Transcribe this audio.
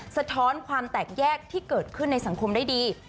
สะท้อนความแตกแยกที่เกิดขึ้นในสังคมได้ดี